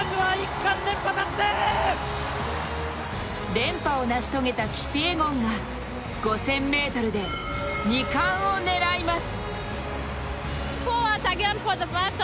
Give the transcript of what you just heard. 連覇を成し遂げたキピエゴンが５０００ｍで２冠を狙います。